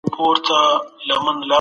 د ذمي حق ته په سپکه مه ګورئ.